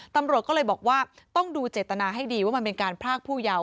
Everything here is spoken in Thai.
ตำรวจก็เลยบอกว่าต้องดูเจตนาให้ดีว่ามันเป็นการพรากผู้เยาว์